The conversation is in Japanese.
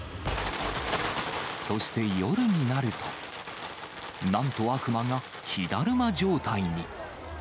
そして夜になると、なんと悪魔が火だるま状態に。